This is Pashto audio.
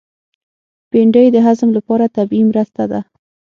بېنډۍ د هضم لپاره طبیعي مرسته ده